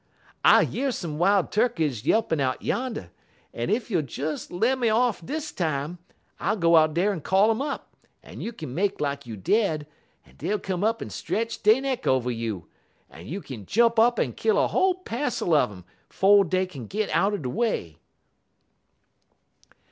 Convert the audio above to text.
I year some wild turkeys yelpin' out yan', en ef you'll des lem me off dis time, I'll go out dar en call um up, en you kin make lak you dead, en dey'll come up en stretch dey neck over you, en you kin jump up en kill a whole passel un um 'fo' dey kin git out de way.'